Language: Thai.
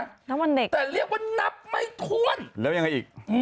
วันเด็กแต่เรียกว่านับไม่ถ้วนแล้วยังไงอีก